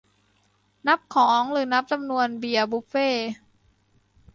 นับของ หรือนับจำนวนเบียร์บุฟเฟต์